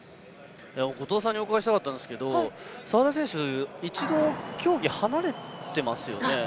後藤さんにお伺いしたかったんですけど澤田選手、一度競技を離れてますよね。